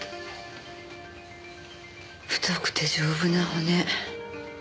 太くて丈夫な骨。